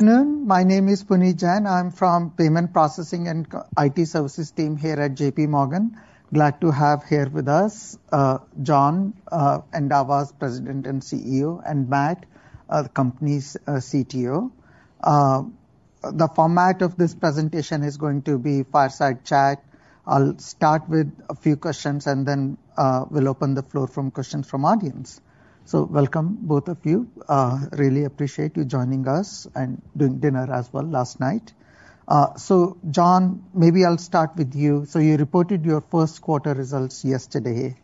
Good afternoon, my name is Puneet Jain. I'm from Payment Processing and IT Services team here at JP Morgan. Glad to have you here with us, John, Endava's President and CEO, and Matt, the company's CTO. The format of this presentation is going to be fireside chat. I'll start with a few questions, and then, we'll open the floor for questions from the audience. So welcome, both of you. Really appreciate you joining us and doing dinner as well last night. So John, maybe I'll start with you. So you reported your first quarter results yesterday,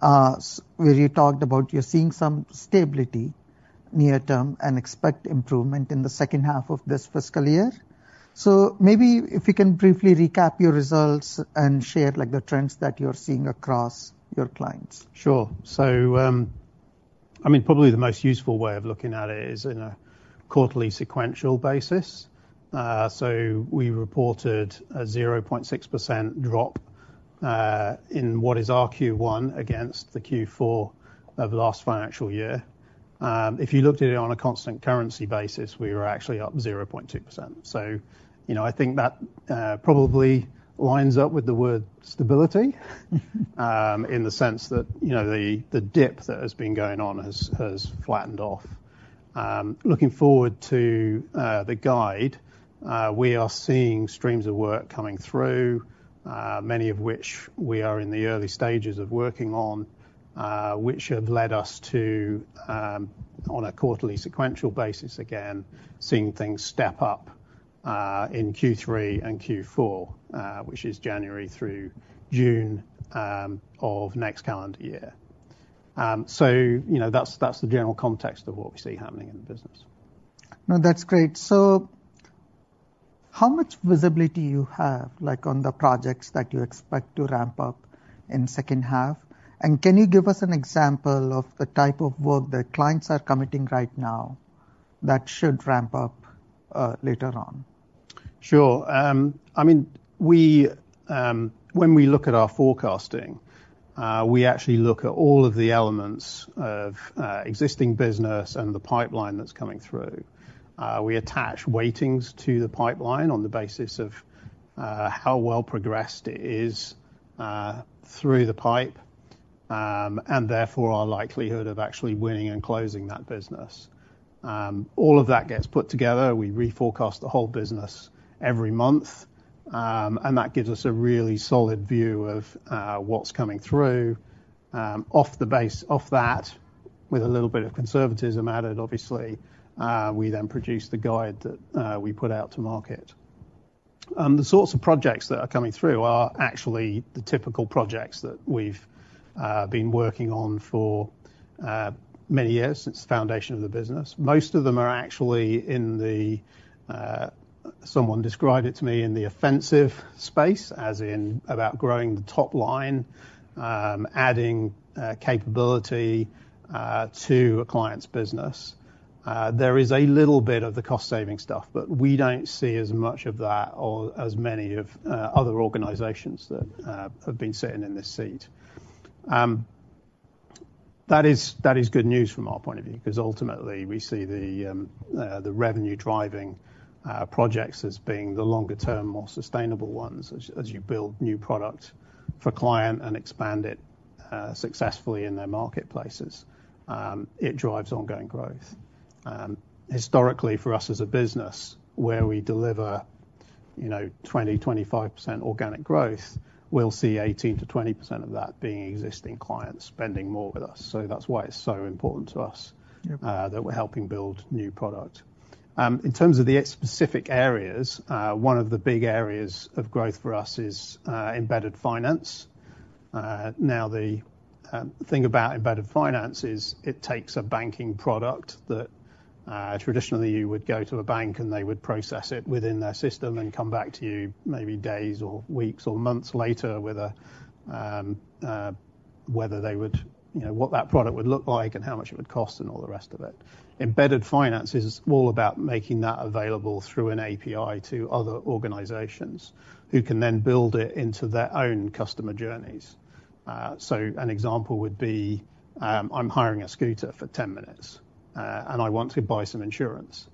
where you talked about you're seeing some stability near term and expect improvement in the second half of this fiscal year. So maybe if you can briefly recap your results and share, like, the trends that you're seeing across your clients. Sure. So, I mean, probably the most useful way of looking at it is in a quarterly sequential basis. So we reported a 0.6% drop, in what is our Q1 against the Q4 of the last financial year. If you looked at it on a constant currency basis, we were actually up 0.2%. So, you know, I think that, probably lines up with the word stability, in the sense that, you know, the dip that has been going on has flattened off. Looking forward to the guide, we are seeing streams of work coming through, many of which we are in the early stages of working on, which have led us to, on a quarterly sequential basis, again, seeing things step up, in Q3 and Q4, which is January through June, of next calendar year. So, you know, that's, that's the general context of what we see happening in the business. No, that's great. So how much visibility you have, like, on the projects that you expect to ramp up in second half? And can you give us an example of the type of work that clients are committing right now that should ramp up, later on? Sure. I mean, we, when we look at our forecasting, we actually look at all of the elements of, existing business and the pipeline that's coming through. We attach weightings to the pipeline on the basis of, how well progressed it is, through the pipe, and therefore our likelihood of actually winning and closing that business. All of that gets put together. We reforecast the whole business every month, and that gives us a really solid view of, what's coming through. Off the base, off that, with a little bit of conservatism added, obviously, we then produce the guide that, we put out to market. The sorts of projects that are coming through are actually the typical projects that we've, been working on for, many years, since the foundation of the business. Most of them are actually in the someone described it to me in the offensive space, as in about growing the top line, adding capability to a client's business. There is a little bit of the cost-saving stuff, but we don't see as much of that or as many of other organizations that have been sitting in this seat. That is, that is good news from our point of view, 'cause ultimately, we see the the revenue-driving projects as being the longer-term, more sustainable ones. As, as you build new product for client and expand it successfully in their marketplaces, it drives ongoing growth. Historically, for us as a business, where we deliver, you know, 20%-25% organic growth, we'll see 18%-20% of that being existing clients spending more with us, so that's why it's so important to us- Yep... that we're helping build new product. In terms of the specific areas, one of the big areas of growth for us is embedded finance. The thing about embedded finance is it takes a banking product that traditionally you would go to a bank, and they would process it within their system and come back to you maybe days or weeks or months later, whether they would, you know, what that product would look like and how much it would cost and all the rest of it. Embedded finance is all about making that available through an API to other organizations, who can then build it into their own customer journeys. So an example would be, I'm hiring a scooter for 10 minutes, and I want to buy some insurance.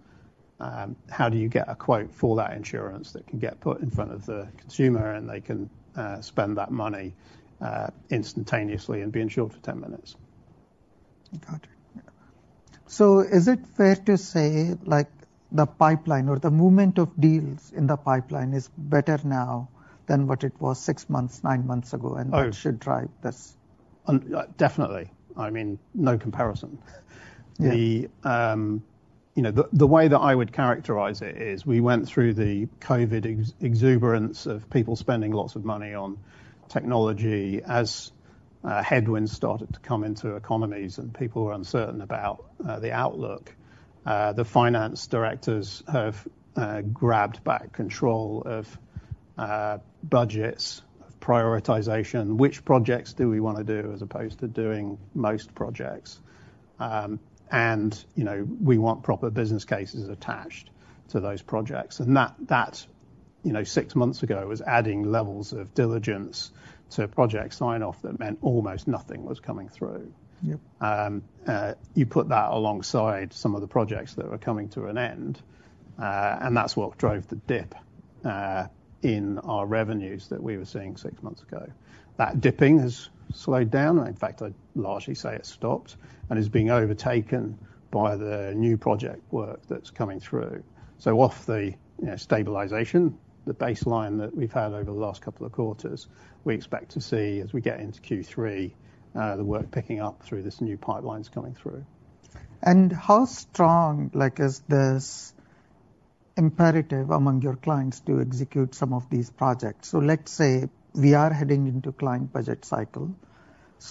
How do you get a quote for that insurance that can get put in front of the consumer, and they can spend that money instantaneously and be insured for 10 minutes? Got it. So is it fair to say, like, the pipeline or the movement of deals in the pipeline is better now than what it was six months, nine months ago? Oh- and it should drive this? Definitely. I mean, no comparison. Yeah. The way that I would characterize it is we went through the COVID exuberance of people spending lots of money on technology. As headwinds started to come into economies and people were uncertain about the outlook, the finance directors have grabbed back control of budgets, of prioritization, which projects do we wanna do, as opposed to doing most projects. And you know, we want proper business cases attached to those projects, and that you know, six months ago, was adding levels of diligence to project sign-off that meant almost nothing was coming through. Yep. You put that alongside some of the projects that were coming to an end, and that's what drove the dip in our revenues that we were seeing six months ago. That dipping has slowed down, and in fact, I'd largely say it's stopped and is being overtaken by the new project work that's coming through. So off the stabilization, the baseline that we've had over the last couple of quarters, we expect to see, as we get into Q3, the work picking up through this new pipelines coming through. How strong, like, is this imperative among your clients to execute some of these projects? Let's say we are heading into client budget cycle.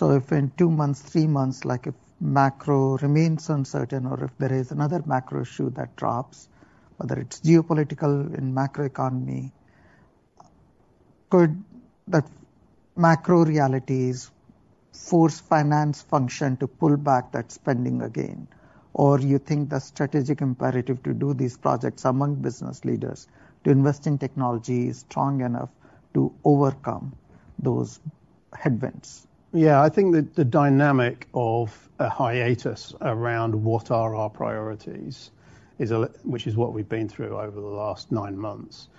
If in two months, three months, like, if macro remains uncertain, or if there is another macro issue that drops, whether it's geopolitical in macroeconomy, could the macro realities force finance function to pull back that spending again? Or you think the strategic imperative to do these projects among business leaders to invest in technology is strong enough to overcome those headwinds? Yeah, I think the dynamic of a hiatus around what are our priorities—which is what we've been through over the last nine months—is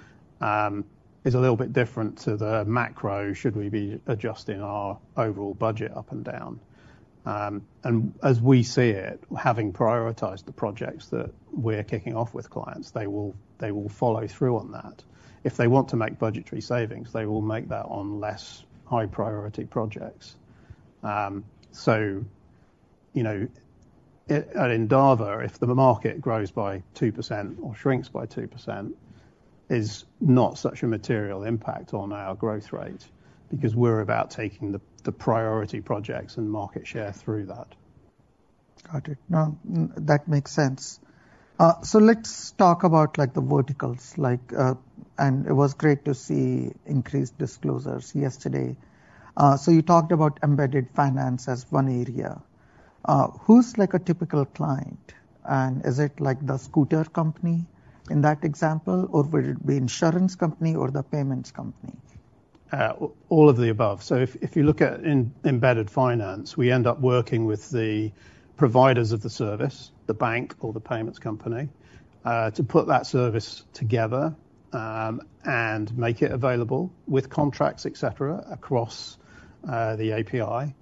a little bit different to the macro. Should we be adjusting our overall budget up and down? And as we see it, having prioritized the projects that we're kicking off with clients, they will follow through on that. If they want to make budgetary savings, they will make that on less high-priority projects. So, you know, at Endava, if the market grows by 2% or shrinks by 2%, is not such a material impact on our growth rate because we're about taking the priority projects and market share through that. Got it. No, that makes sense. So let's talk about, like, the verticals. Like, and it was great to see increased disclosures yesterday. So you talked about embedded finance as one area. Who's like a typical client, and is it like the scooter company in that example, or would it be insurance company, or the payments company? All of the above. So if you look at embedded finance, we end up working with the providers of the service, the bank or the payments company, to put that service together, and make it available with contracts, et cetera, across the API.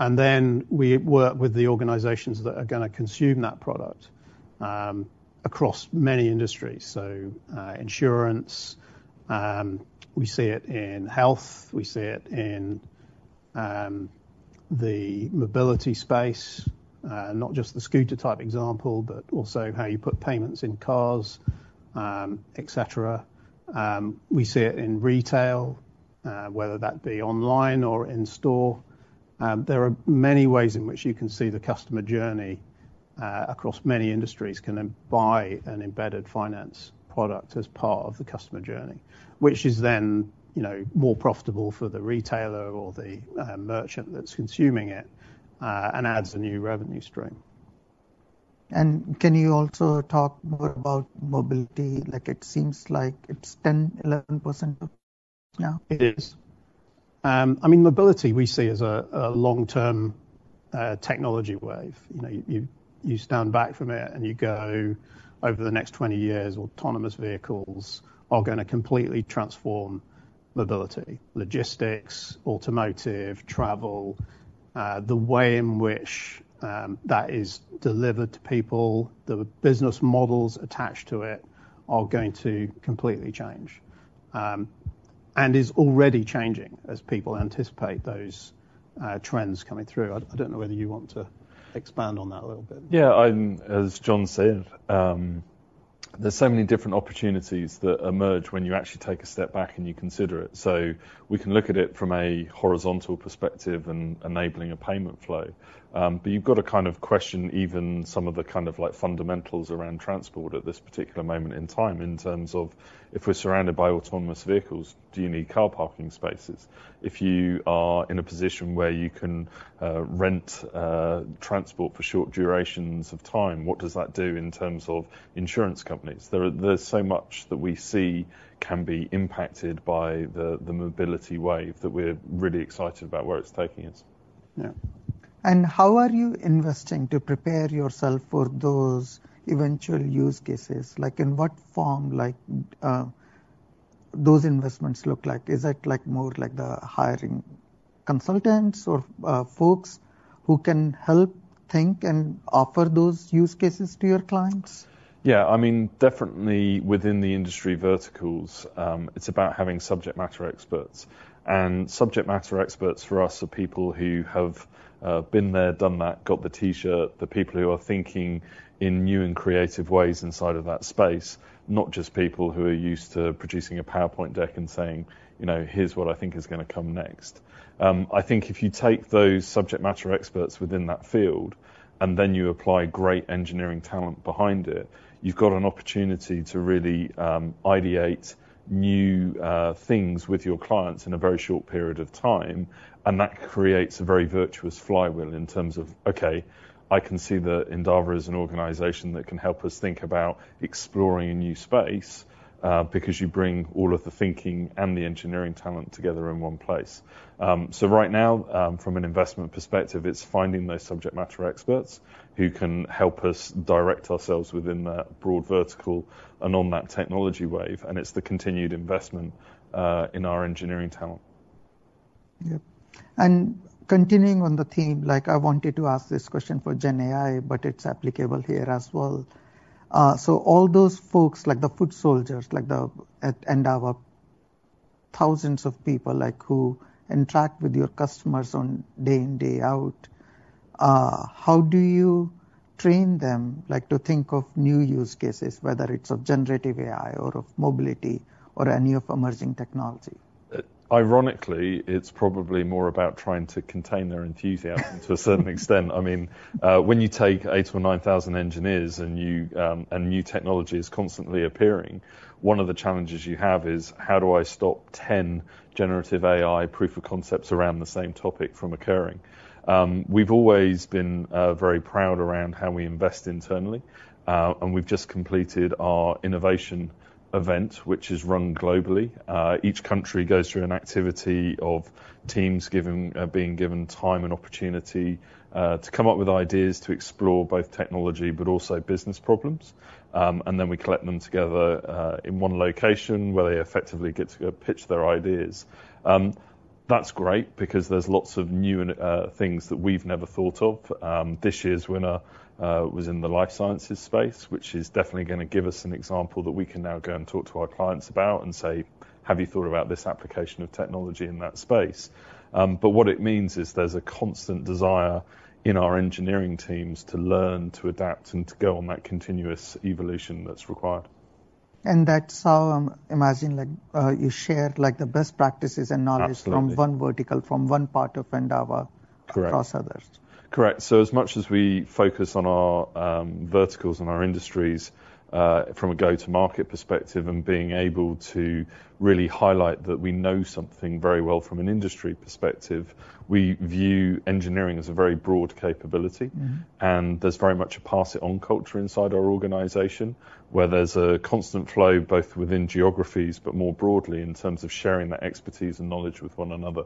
And then we work with the organizations that are gonna consume that product, across many industries. So, insurance, we see it in health, we see it in the mobility space, not just the scooter-type example, but also how you put payments in cars, et cetera. We see it in retail, whether that be online or in-store. There are many ways in which you can see the customer journey across many industries, can then buy an embedded finance product as part of the customer journey, which is then, you know, more profitable for the retailer or the merchant that's consuming it, and adds a new revenue stream. Can you also talk more about mobility? Like, it seems like it's 10%-11% now. It is. I mean, mobility, we see as a long-term technology wave. You know, you stand back from it, and you go, over the next 20 years, autonomous vehicles are gonna completely transform mobility. Logistics, automotive, travel, the way in which that is delivered to people, the business models attached to it are going to completely change. And is already changing as people anticipate those trends coming through. I don't know whether you want to expand on that a little bit. Yeah, as John said, there's so many different opportunities that emerge when you actually take a step back, and you consider it. So we can look at it from a horizontal perspective and enabling a payment flow. But you've got to kind of question even some of the kind of like fundamentals around transport at this particular moment in time, in terms of if we're surrounded by autonomous vehicles, do you need car parking spaces? If you are in a position where you can rent transport for short durations of time, what does that do in terms of insurance companies? There's so much that we see can be impacted by the mobility wave that we're really excited about where it's taking us. Yeah. How are you investing to prepare yourself for those eventual use cases? Like, in what form, like, those investments look like? Is it, like, more like the hiring consultants or, folks who can help think and offer those use cases to your clients? Yeah, I mean, definitely within the industry verticals, it's about having subject matter experts. Subject matter experts for us are people who have been there, done that, got the T-shirt, the people who are thinking in new and creative ways inside of that space, not just people who are used to producing a PowerPoint deck and saying, you know, "Here's what I think is gonna come next." I think if you take those subject matter experts within that field, and then you apply great engineering talent behind it, you've got an opportunity to really ideate new things with your clients in a very short period of time, and that creates a very virtuous flywheel in terms of, okay, I can see that Endava is an organization that can help us think about exploring a new space, because you bring all of the thinking and the engineering talent together in one place. Right now, from an investment perspective, it's finding those subject matter experts who can help us direct ourselves within that broad vertical and on that technology wave, and it's the continued investment in our engineering talent.... Yep. And continuing on the theme, like I wanted to ask this question for GenAI, but it's applicable here as well. So all those folks, like the foot soldiers, like the, at Endava, thousands of people like, who interact with your customers on day in, day out, how do you train them, like, to think of new use cases, whether it's of generative AI, or of mobility, or any of emerging technology? Ironically, it's probably more about trying to contain their enthusiasm to a certain extent. I mean, when you take 8,000 or 9,000 engineers and you and new technology is constantly appearing, one of the challenges you have is: how do I stop 10 generative AI proof of concepts around the same topic from occurring? We've always been very proud around how we invest internally, and we've just completed our innovation event, which is run globally. Each country goes through an activity of teams being given time and opportunity to come up with ideas to explore both technology, but also business problems. And then we collect them together in one location, where they effectively get to go pitch their ideas. That's great because there's lots of new things that we've never thought of. This year's winner was in the life sciences space, which is definitely gonna give us an example that we can now go and talk to our clients about and say, "Have you thought about this application of technology in that space?" But what it means is there's a constant desire in our engineering teams to learn, to adapt, and to go on that continuous evolution that's required. That's how I'm imagining, like, you share, like, the best practices and knowledge- Absolutely... from one vertical, from one part of Endava- Correct - across others. Correct. So as much as we focus on our verticals and our industries from a go-to-market perspective, and being able to really highlight that we know something very well from an industry perspective, we view engineering as a very broad capability. Mm-hmm. There's very much a pass-it-on culture inside our organization, where there's a constant flow, both within geographies, but more broadly in terms of sharing that expertise and knowledge with one another.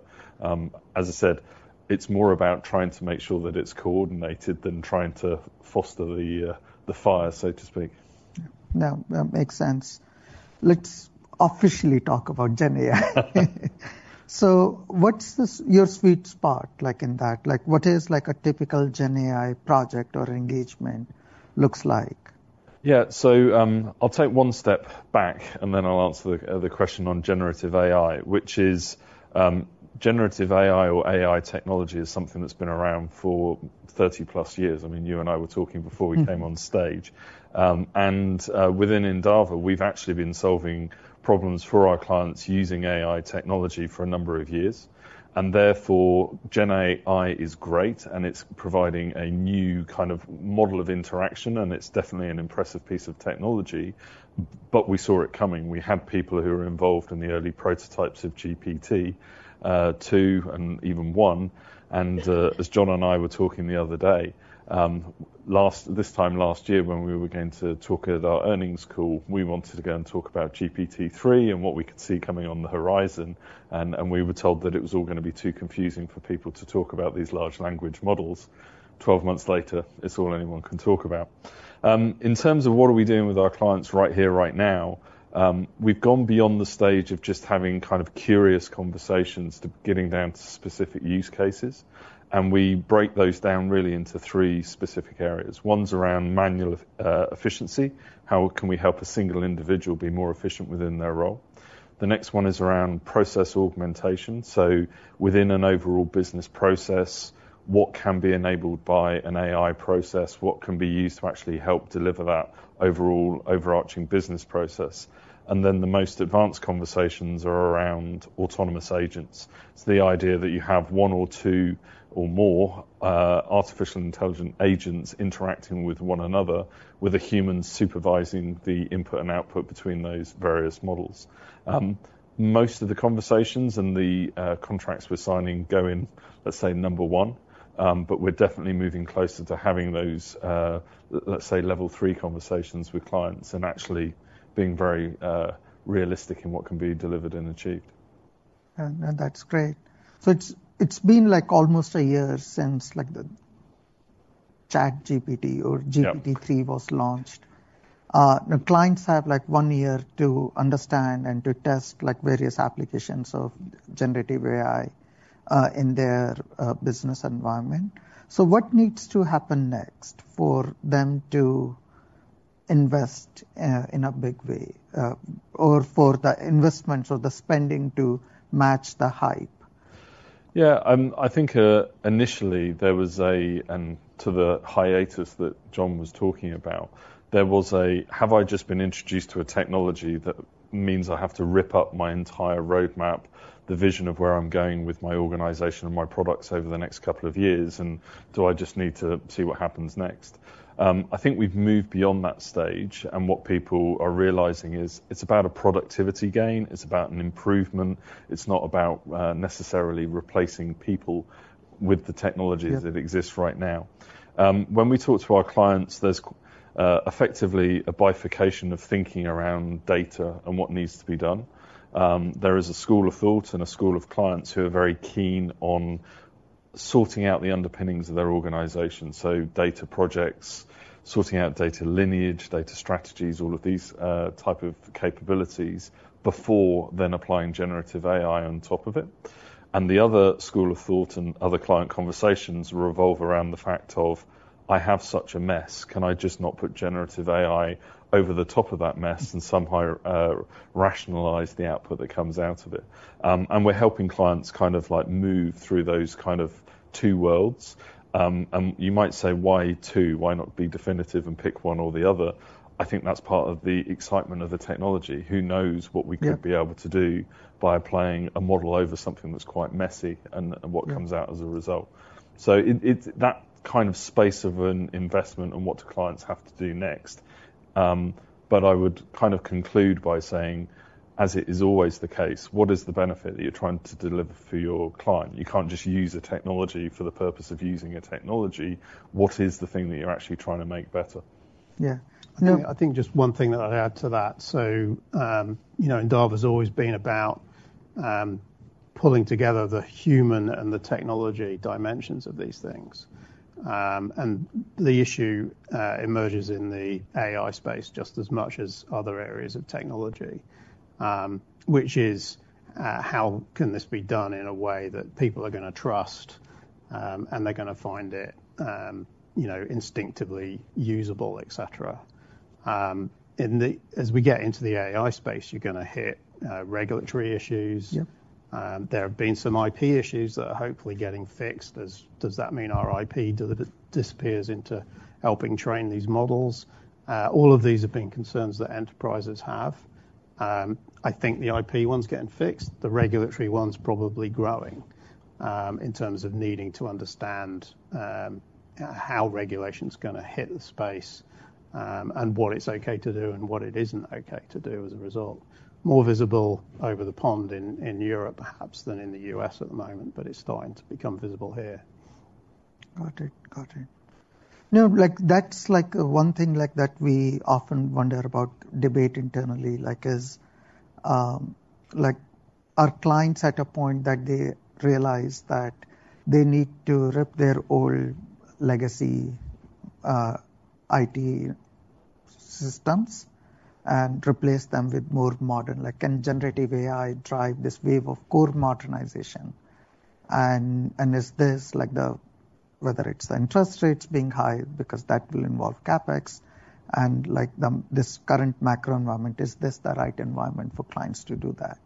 As I said, it's more about trying to make sure that it's coordinated than trying to foster the fire, so to speak. Yeah. No, that makes sense. Let's officially talk about GenAI. So what's your sweet spot like in that? Like, what is like a typical GenAI project or engagement looks like? Yeah. So, I'll take one step back, and then I'll answer the question on generative AI, which is, generative AI or AI technology is something that's been around for 30+ years. I mean, you and I were talking before we came on stage. And, within Endava, we've actually been solving problems for our clients using AI technology for a number of years, and therefore, GenAI is great, and it's providing a new kind of model of interaction, and it's definitely an impressive piece of technology, but we saw it coming. We had people who were involved in the early prototypes of GPT-2 and even one, and, as John and I were talking the other day, this time last year, when we were going to talk at our earnings call, we wanted to go and talk about GPT-3 and what we could see coming on the horizon, and, we were told that it was all gonna be too confusing for people to talk about these large language models. Twelve months later, it's all anyone can talk about. In terms of what are we doing with our clients right here, right now, we've gone beyond the stage of just having kind of curious conversations to getting down to specific use cases, and we break those down really into three specific areas. One's around manual efficiency. How can we help a single individual be more efficient within their role? The next one is around process augmentation. So within an overall business process, what can be enabled by an AI process, what can be used to actually help deliver that overall overarching business process? And then the most advanced conversations are around autonomous agents. It's the idea that you have one or two, or more, artificial intelligent agents interacting with one another, with a human supervising the input and output between those various models. Most of the conversations and the contracts we're signing go in, let's say, number one, but we're definitely moving closer to having those, let's say, level three conversations with clients and actually being very realistic in what can be delivered and achieved. That's great. It's been, like, almost a year since, like, the ChatGPT or- Yep... GPT-3 was launched. Now clients have, like, one year to understand and to test, like, various applications of generative AI, in their business environment. So what needs to happen next for them to invest, in a big way, or for the investments or the spending to match the hype? Yeah, I think initially there was, to the hiatus that John was talking about, there was, "Have I just been introduced to a technology that means I have to rip up my entire roadmap, the vision of where I'm going with my organization and my products over the next couple of years, and do I just need to see what happens next?" I think we've moved beyond that stage, and what people are realizing is it's about a productivity gain, it's about an improvement. It's not about necessarily replacing people with the technologies- Yeah... that exist right now. When we talk to our clients, there's effectively a bifurcation of thinking around data and what needs to be done. There is a school of thought and a school of clients who are very keen sorting out the underpinnings of their organization. So data projects, sorting out data lineage, data strategies, all of these, type of capabilities before then applying generative AI on top of it. And the other school of thought and other client conversations revolve around the fact of, I have such a mess, can I just not put generative AI over the top of that mess and somehow, rationalize the output that comes out of it? And we're helping clients kind of like, move through those kind of two worlds. And you might say, why two? Why not be definitive and pick one or the other? I think that's part of the excitement of the technology. Who knows what we could- Yeah be able to do by applying a model over something that's quite messy and what comes out as a result. So that kind of space of an investment and what do clients have to do next. But I would kind of conclude by saying, as it is always the case, what is the benefit that you're trying to deliver for your client? You can't just use a technology for the purpose of using a technology. What is the thing that you're actually trying to make better? Yeah. No- I think just one thing that I'd add to that. So, you know, Endava has always been about, pulling together the human and the technology dimensions of these things. And the issue emerges in the AI space just as much as other areas of technology, which is, how can this be done in a way that people are gonna trust, and they're gonna find it, you know, instinctively usable, et cetera. And as we get into the AI space, you're gonna hit, regulatory issues. Yep. There have been some IP issues that are hopefully getting fixed. Does that mean our IP disappears into helping train these models? All of these have been concerns that enterprises have. I think the IP one's getting fixed, the regulatory one's probably growing, in terms of needing to understand how regulation's gonna hit the space, and what it's okay to do and what it isn't okay to do as a result. More visible over the pond in Europe, perhaps, than in the U.S. at the moment, but it's starting to become visible here. Got it. Got it. No, like, that's, like, one thing, like, that we often wonder about—debate internally, like, is, like, are clients at a point that they realize that they need to rip their old legacy IT systems and replace them with more modern, like, can generative AI drive this wave of core modernization? And, and is this like the... whether it's the interest rates being high, because that will involve CapEx, and like, the, this current macro environment, is this the right environment for clients to do that?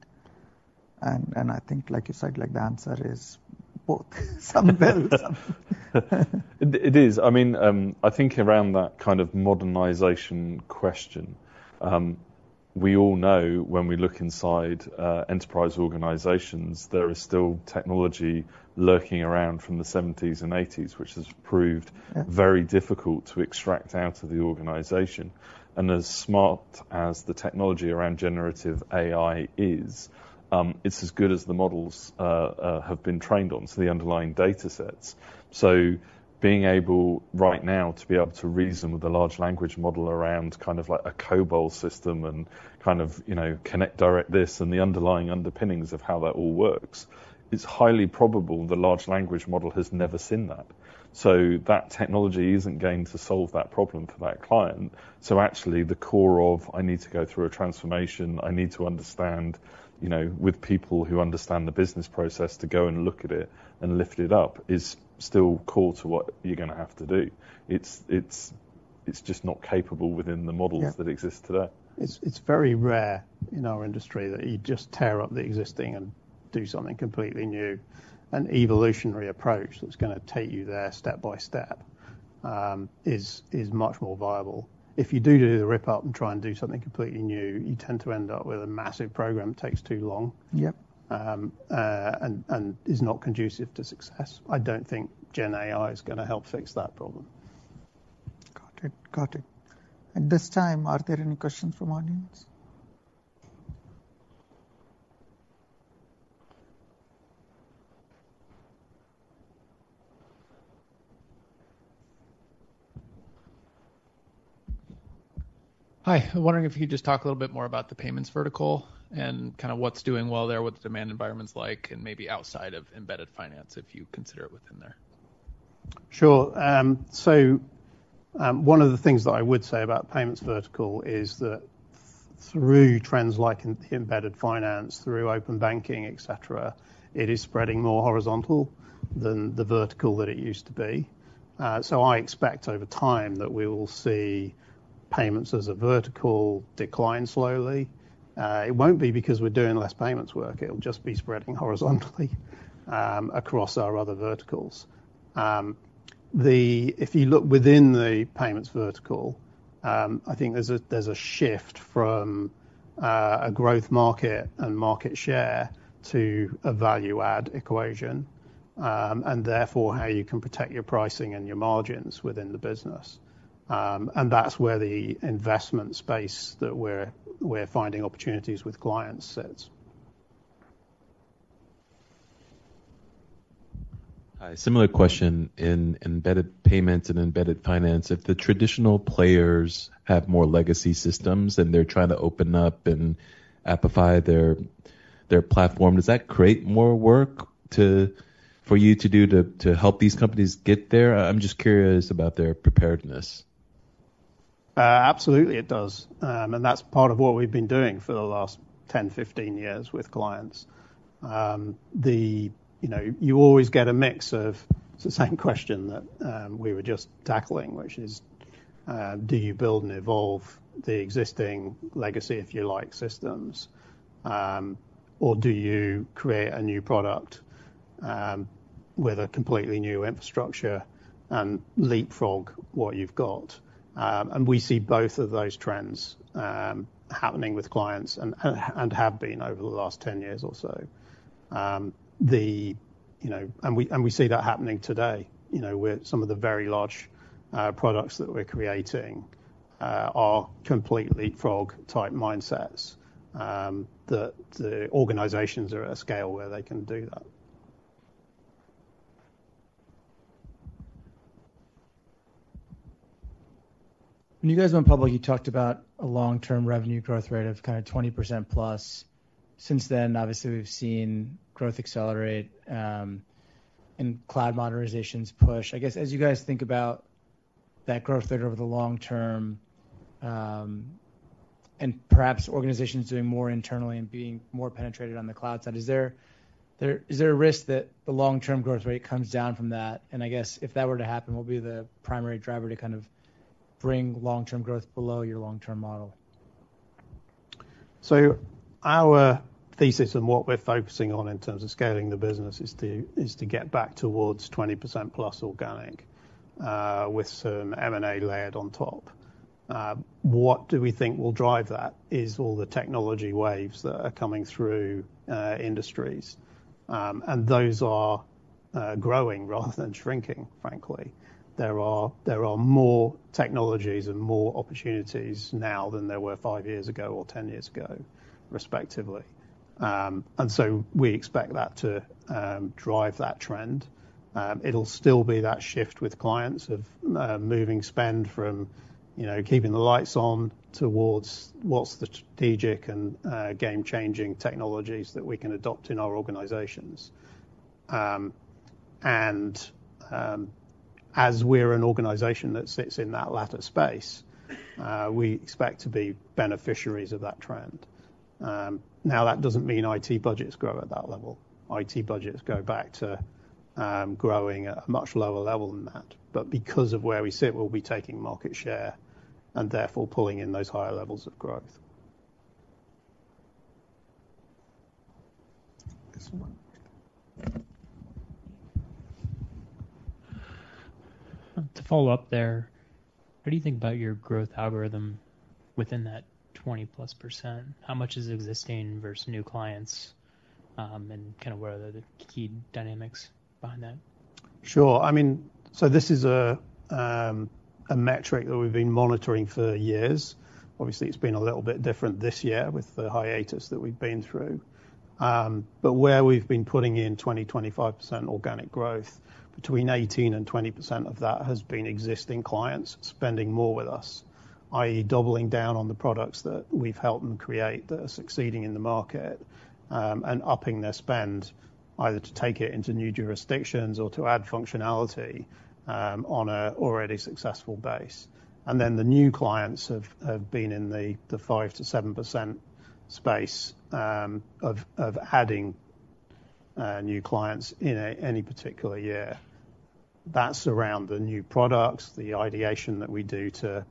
And, and I think, like you said, like the answer is both. Some yes, some- It is. I mean, I think around that kind of modernization question, we all know when we look inside, enterprise organizations, there is still technology lurking around from the '70s and '80s, which has proved- Yeah... very difficult to extract out of the organization. And as smart as the technology around generative AI is, it's as good as the models have been trained on, so the underlying datasets. So being able right now to be able to reason with a large language model around kind of like a COBOL system and kind of, you know, connect direct this and the underlying underpinnings of how that all works, it's highly probable the large language model has never seen that. So that technology isn't going to solve that problem for that client. So actually, the core of I need to go through a transformation, I need to understand, you know, with people who understand the business process, to go and look at it and lift it up, is still core to what you're gonna have to do. It's just not capable within the models- Yeah... that exist today. It's very rare in our industry that you just tear up the existing and do something completely new. An evolutionary approach that's gonna take you there step by step is much more viable. If you do the rip-up and try and do something completely new, you tend to end up with a massive program that takes too long. Yep. And is not conducive to success. I don't think GenAI is gonna help fix that problem. Got it. Got it. At this time, are there any questions from audience? Hi, I'm wondering if you could just talk a little bit more about the payments vertical and kind of what's doing well there, what the demand environment's like, and maybe outside of embedded finance, if you consider it within there. Sure. So, one of the things that I would say about payments vertical is that through trends like embedded finance, through open banking, et cetera, it is spreading more horizontal than the vertical that it used to be. So I expect over time that we will see payments as a vertical decline slowly. It won't be because we're doing less payments work, it'll just be spreading horizontally across our other verticals. If you look within the payments vertical, I think there's a shift from a growth market and market share to a value add equation, and therefore, how you can protect your pricing and your margins within the business. And that's where the investment space that we're finding opportunities with clients sits. Hi, similar question. In embedded payments and embedded finance, if the traditional players have more legacy systems and they're trying to open up and amplify their platform, does that create more work for you to do to help these companies get there? I'm just curious about their preparedness. ... Absolutely it does. And that's part of what we've been doing for the last 10 years-15 years with clients. You know, you always get a mix of—it's the same question that we were just tackling, which is, do you build and evolve the existing legacy, if you like, systems, or do you create a new product with a completely new infrastructure and leapfrog what you've got? And we see both of those trends happening with clients and have been over the last 10 years or so. You know, and we see that happening today, you know, with some of the very large products that we're creating are complete leapfrog type mindsets that the organizations are at a scale where they can do that. When you guys went public, you talked about a long-term revenue growth rate of kind of 20%+. Since then, obviously, we've seen growth accelerate and cloud modernizations push. I guess, as you guys think about that growth rate over the long term, and perhaps organizations doing more internally and being more penetrated on the cloud side, is there a risk that the long-term growth rate comes down from that? And I guess if that were to happen, what would be the primary driver to kind of bring long-term growth below your long-term model? So our thesis and what we're focusing on in terms of scaling the business is to get back towards 20%+ organic, with some M&A layered on top. What do we think will drive that? It's all the technology waves that are coming through industries. And those are growing rather than shrinking, frankly. There are more technologies and more opportunities now than there were five years ago or 10 years ago, respectively. And so we expect that to drive that trend. It'll still be that shift with clients of moving spend from, you know, keeping the lights on towards what's the strategic and game-changing technologies that we can adopt in our organizations. And as we're an organization that sits in that latter space, we expect to be beneficiaries of that trend. Now, that doesn't mean IT budgets grow at that level. IT budgets go back to growing at a much lower level than that. But because of where we sit, we'll be taking market share and therefore pulling in those higher levels of growth. This one. To follow up there, what do you think about your growth algorithm within that 20%+? How much is existing versus new clients, and kind of what are the key dynamics behind that? Sure. I mean, so this is a metric that we've been monitoring for years. Obviously, it's been a little bit different this year with the hiatus that we've been through. But where we've been putting in 20%-25% organic growth, between 18%-20% of that has been existing clients spending more with us, i.e., doubling down on the products that we've helped them create, that are succeeding in the market, and upping their spend, either to take it into new jurisdictions or to add functionality, on an already successful base. And then the new clients have been in the 5%-7% space, of adding new clients in any particular year. That's around the new products, the ideation that we do to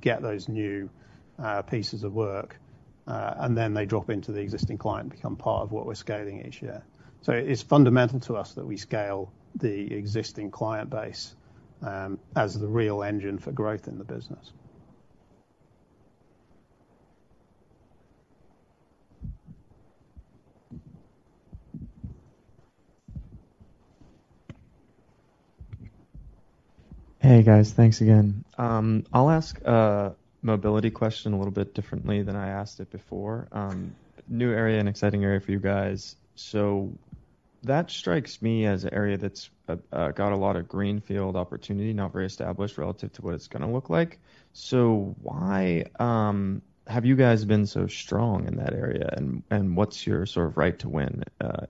get those new pieces of work, and then they drop into the existing client, become part of what we're scaling each year. So it's fundamental to us that we scale the existing client base, as the real engine for growth in the business. Hey, guys. Thanks again. I'll ask a mobility question a little bit differently than I asked it before. New area and exciting area for you guys. So that strikes me as an area that's got a lot of greenfield opportunity, not very established relative to what it's gonna look like. So why have you guys been so strong in that area, and what's your sort of right to win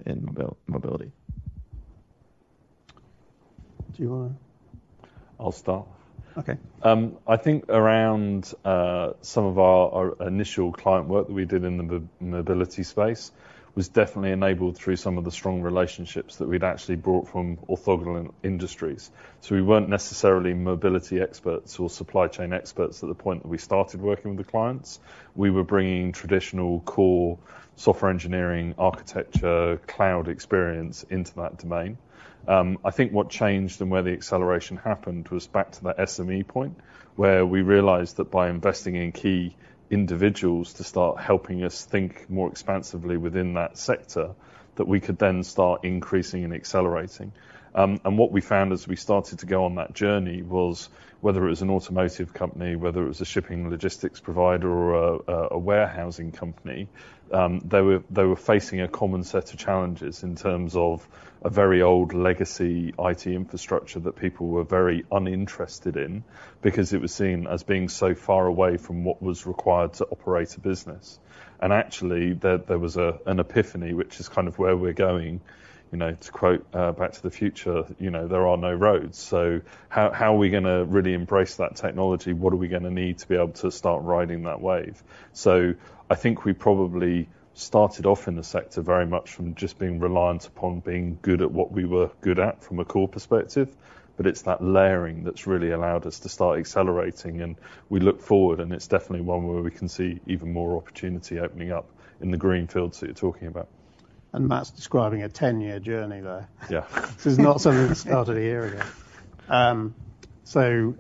in mobility? Do you wanna...? I'll start. Okay. I think around some of our initial client work that we did in the mobility space was definitely enabled through some of the strong relationships that we'd actually brought from orthogonal industries. So we weren't necessarily mobility experts or supply chain experts at the point that we started working with the clients. We were bringing traditional core software engineering, architecture, cloud experience into that domain. I think what changed and where the acceleration happened was back to that SME point, where we realized that by investing in key individuals to start helping us think more expansively within that sector, that we could then start increasing and accelerating. And what we found as we started to go on that journey was, whether it was an automotive company, whether it was a shipping logistics provider or a warehousing company, they were facing a common set of challenges in terms of a very old legacy IT infrastructure that people were very uninterested in because it was seen as being so far away from what was required to operate a business. And actually, there was an epiphany, which is kind of where we're going, you know, to quote Back to the Future, "You know there are no roads." So how are we gonna really embrace that technology? What are we gonna need to be able to start riding that wave? So I think we probably started off in the sector very much from just being reliant upon being good at what we were good at, from a core perspective, but it's that layering that's really allowed us to start accelerating, and we look forward, and it's definitely one where we can see even more opportunity opening up in the greenfields that you're talking about. Matt's describing a 10-year journey there. Yeah. This is not something that started a year ago. So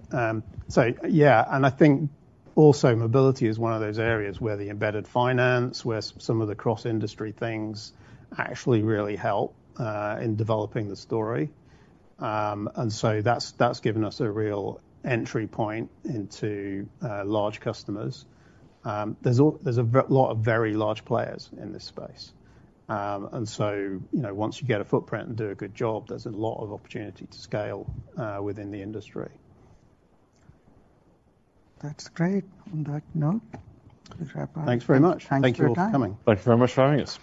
yeah, and I think also mobility is one of those areas where the embedded finance, where some of the cross-industry things actually really help in developing the story. And so that's given us a real entry point into large customers. There's a lot of very large players in this space. And so you know, once you get a footprint and do a good job, there's a lot of opportunity to scale within the industry. That's great. On that note, we wrap up. Thanks very much. Thank you for your time. Thank you very much for having us.